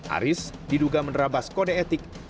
aris diduga menerabas kode etik